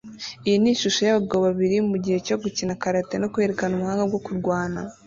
Iyi ni ishusho yabagabo babiri mugihe cyo gukina karate no kwerekana ubuhanga bwo kurwana